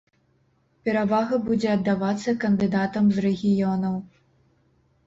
Перавага будзе аддавацца кандыдатам з рэгіёнаў.